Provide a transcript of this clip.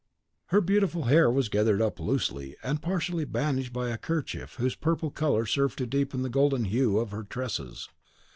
Her beautiful hair was gathered up loosely, and partially bandaged by a kerchief whose purple colour served to deepen the golden hue of her tresses.